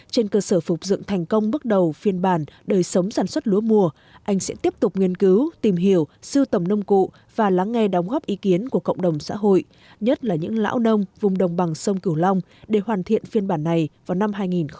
trên cơ sở phục dựng thành công bước đầu phiên bản đời sống sản xuất lúa mùa anh sẽ tiếp tục nghiên cứu tìm hiểu sưu tầm nông cụ và lắng nghe đóng góp ý kiến của cộng đồng xã hội nhất là những lão nông vùng đồng bằng sông cửu long để hoàn thiện phiên bản này vào năm hai nghìn hai mươi